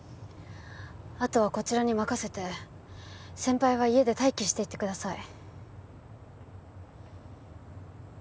あとはこちらに任せて先輩は家で待機していてください。